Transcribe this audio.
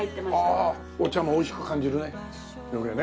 あっお茶もおいしく感じるね余計ね。